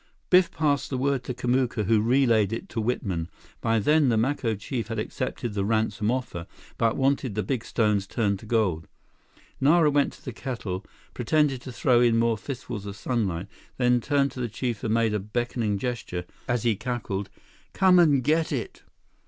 Biff passed the word to Kamuka, who relayed it to Whitman. By then, the Maco chief had accepted the ransom offer, but wanted the big stones turned to gold. Nara went to the kettle, pretended to throw in more fistfuls of sunlight, then turned to the chief and made a beckoning gesture, as he cackled: "Come and get it!"